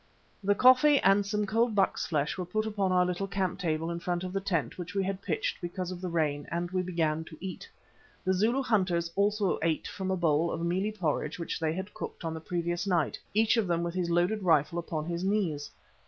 The coffee and some cold buck's flesh were put upon our little camp table in front of the tent which we had pitched because of the rain, and we began to eat. The Zulu hunters also ate from a bowl of mealie porridge which they had cooked on the previous night, each of them with his loaded rifle upon his knees.